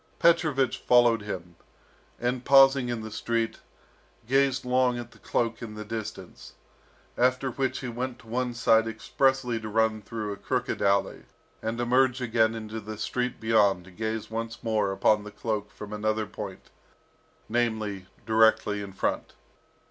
Petrovich followed him, and pausing in the street, gazed long at the cloak in the distance, after which he went to one side expressly to run through a crooked alley, and emerge again into the street beyond to gaze once more upon the cloak from another point, namely, directly in front.